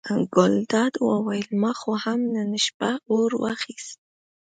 ګلداد وویل ما خو هم نن شپه اور واخیست.